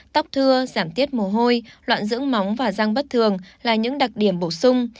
tóc thưa giảm tiết mồ hôi loạn dưỡng móng và răng bất thường là những đặc điểm bổ sung